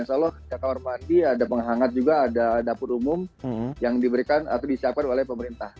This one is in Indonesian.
insya allah ada kamar mandi ada penghangat juga ada dapur umum yang diberikan atau disiapkan oleh pemerintah